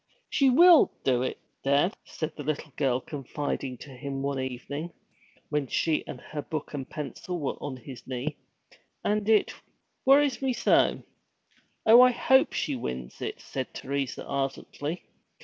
'She will do it, dad!' the little girl confided to him one evening, when she and her book and her pencil were on his knee. 'And it worries me so.' 'Oh, I hope she wins it,' said Teresa ardently.